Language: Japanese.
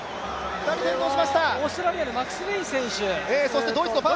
これはオーストラリアのマクスウェイン選手。